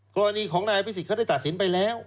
กรณีของนายอภิษฎเขาได้ตัดสินไปแล้ว